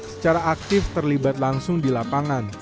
secara aktif terlibat langsung di lapangan